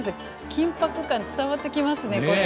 緊迫感伝わってきますねこれ。